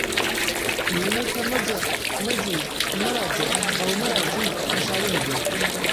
لکه مه ځه، مه ځئ، مه راځه او مه راځئ مثالونه دي.